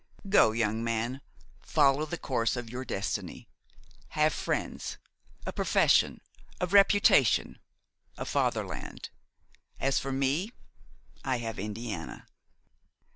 Go, young man, follow the course of your destiny; have friends, a profession, a reputation, a fatherland. As for me, I have Indiana.